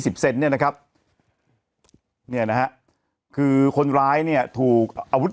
ยังไงยังไงยังไงยังไงยังไง